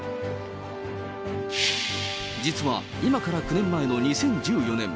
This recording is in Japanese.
実は今から９年前の２０１４年。